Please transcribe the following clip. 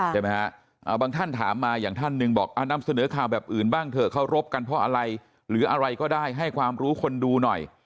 ใช่ไหมฮะบางท่านถามมาอย่างท่านหนึ่งบอกนำเสนอข่าวแบบอื่นบ้างเถอะเขารบกันเพราะอะไรหรืออะไรก็ได้ให้ความรู้คนดูหน่อย